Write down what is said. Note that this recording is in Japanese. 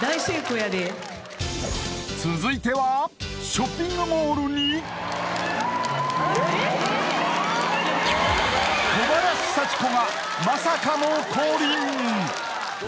ショッピングモールに小林幸子がまさかの降臨！